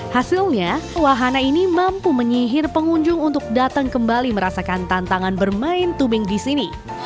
hasilnya wahana ini mampu menyihir pengunjung untuk datang kembali merasakan tantangan bermain tubing di sini